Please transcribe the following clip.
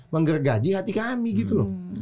menggergaji hati kami gitu loh